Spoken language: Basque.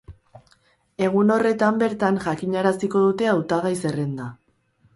Egun horretan bertan jakinaraziko dute hautagai-zerrenda.